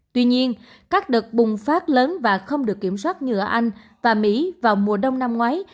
tuy nhiên các đợt bùng phát lớn và không được kiểm soát như anh và mỹ vào mùa đông năm ngoái